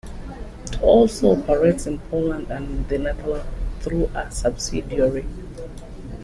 It also operates in Poland and the Netherlands through a subsidiary.